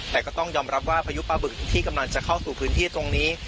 แต่ก็ต้องยอมรับว่าพายุปลาบึกที่กำลังจะเข้าสู่พื้นที่ตรงนี้